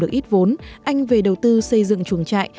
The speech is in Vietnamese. được ít vốn anh về đầu tư xây dựng chuồng trại